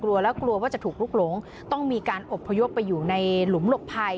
กลัวแล้วกลัวว่าจะถูกลุกหลงต้องมีการอบพยพไปอยู่ในหลุมหลบภัย